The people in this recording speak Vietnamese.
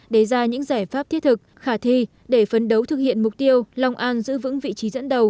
đề ra những giải pháp thiết thực khả thi để phấn đấu thực hiện mục tiêu long an giữ vững vị trí dẫn đầu